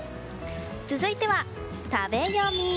続いては食べヨミ。